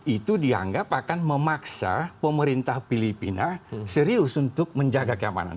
itu dianggap akan memaksa pemerintah filipina serius untuk menjaga keamanan